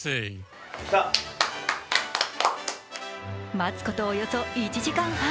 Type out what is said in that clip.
待つことおよそ１時間半。